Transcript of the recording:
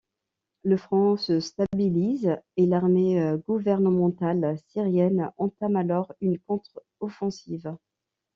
Le front se stabilise et l'armée gouvernementale syrienne entame alors une contre-offensive.